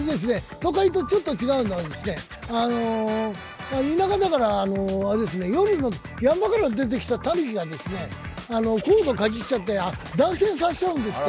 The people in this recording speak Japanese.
都会とちょっと違うのは田舎だから、夜、山から出てきたたぬきがコードをかじっちゃって断線させちゃうんですって。